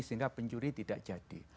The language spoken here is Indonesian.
sehingga pencuri tidak jadi